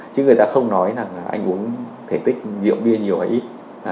chứ người ta không nói là anh uống thể tích rượu bia nhiều hay ít